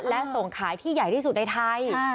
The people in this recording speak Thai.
และส่งขายที่ใหญ่ที่สุดในไทย